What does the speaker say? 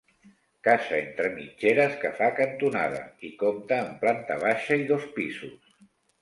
Casa entre mitgeres que fa cantonada i compta amb planta baixa i dos pisos.